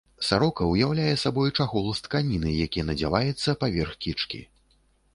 Сарока ўяўляе сабой чахол з тканіны, які надзяваецца паверх кічкі.